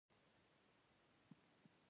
اوس يې ګور ته يوسئ او هلته يې خاورو ته وسپارئ.